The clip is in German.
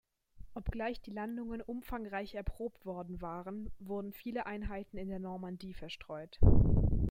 Obgleich die Landungen umfangreich erprobt worden waren, wurden viele Einheiten in der Normandie verstreut.